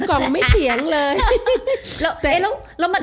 กล่องไม่เถียงเลย